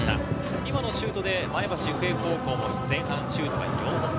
今のシュートで前橋育英高校、前半シュートは４本目。